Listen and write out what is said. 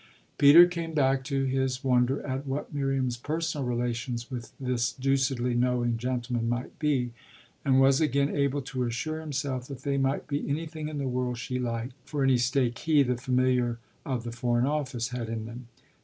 Peter came back to his wonder at what Miriam's personal relations with this deucedly knowing gentleman might be, and was again able to assure himself that they might be anything in the world she liked, for any stake he, the familiar of the Foreign Office, had in them.